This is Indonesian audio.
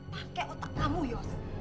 pakai otak kamu yos